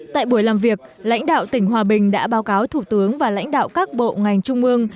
tại buổi làm việc lãnh đạo tỉnh hòa bình đã báo cáo thủ tướng và lãnh đạo các bộ ngành trung ương